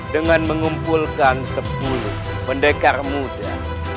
dengan mengumpulkan sepuluh pendekar muda